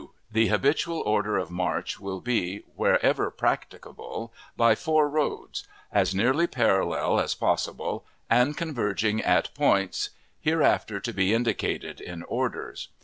The habitual order of march will be, wherever practicable, by four roads, as nearly parallel as possible, and converging at points hereafter to be indicated in orders.